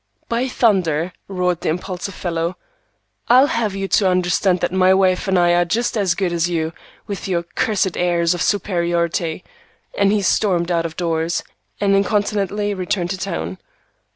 "By thunder!" roared the impulsive fellow, "I'll have you to understand that my wife and I are just as good as you, with your cursed airs of superiority!" and he stormed out of doors, and incontinently returned to town.